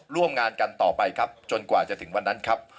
ร่วมงานกันต่อไปครับจนกว่าจะถึงวันนั้นครับ